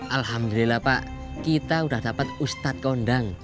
alhamdulillah pak kita sudah dapat ustadz kondang